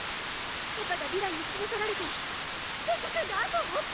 パパがヴィランに連れ去られてデク君が後を追って。